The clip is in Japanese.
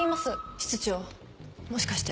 室長もしかして。